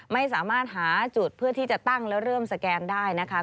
ไม่สามารถหาจุดเพื่อที่จะตั้งแล้วเริ่มสแกนได้นะคะ